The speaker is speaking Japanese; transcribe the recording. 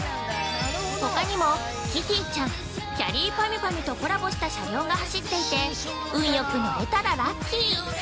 ほかにも、キティちゃんきゃりーぱみゅぱみゅとコラボした車両が走っていて運よく乗れたらラッキー！